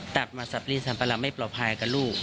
แต่มันสัมปรีดสัมปรับไม่ปลอบภัยกับลูก